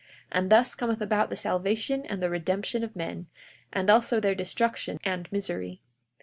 And thus cometh about the salvation and the redemption of men, and also their destruction and misery.